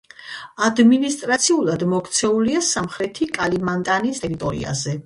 ადმინისტრაციულად მოქცეულია სამხრეთი კალიმანტანის ტერიტორიაზე.